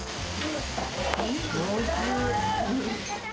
おいしい！